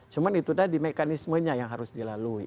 cuma itu dah di mekanismenya yang harus dilalui